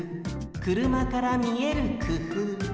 くるまからみえるくふう。